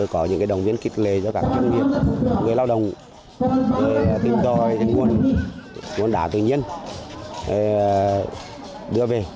có những đồng viên kịch lệ cho các chuyên nghiệp người lao động tìm tòi nguồn đá tự nhiên đưa về